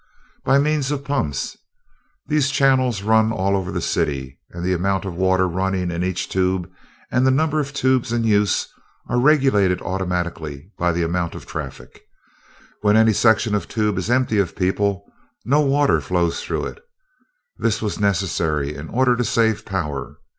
"By means of pumps. These channels run all over the city, and the amount of water running in each tube and the number of tubes in use are regulated automatically by the amount of traffic. When any section of tube is empty of people, no water flows through it. This was necessary in order to save power.